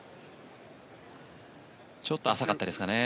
ちょっと浅かったですかね。